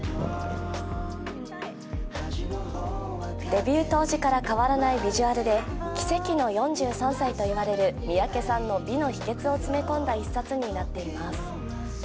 デビュー当時から変わらないビジュアルで奇跡の４３歳といわれる三宅さんの美の秘けつを詰め込んだ一冊となっています。